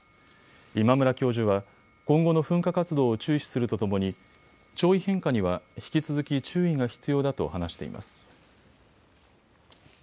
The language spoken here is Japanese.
今村教授は今後の噴火活動を注視するとともに潮位変化には引き続き注意が必要だと話しています。